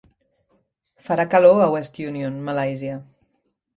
Farà calor a West Union, Malàisia